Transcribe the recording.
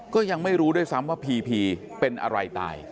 ก็ยังไม่รู้ด้วยซ้ำว่าพีพีเป็นอะไรตาย